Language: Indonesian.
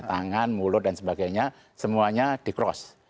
tangan mulut dan sebagainya semuanya di cross